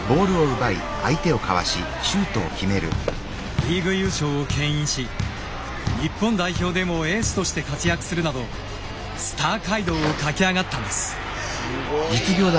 リーグ優勝を牽引し日本代表でもエースとして活躍するなどスター街道を駆け上がったんです。